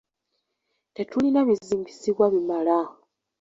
Tetulina bizimbisibwa bimala .